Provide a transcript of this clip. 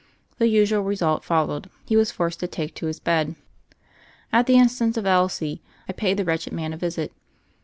The usual result followed: he was forced to take to his bed. At the instance of Elsie, I paid the wretched, man a visit.